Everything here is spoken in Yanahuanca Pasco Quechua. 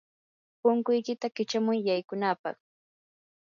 punkuykiyta kichamuy yaykunapaq.